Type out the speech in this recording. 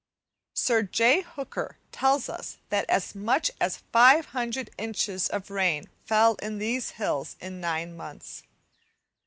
Sir J. Hooker tells us that as much as 500 inches of rain fell in these hills in nine months.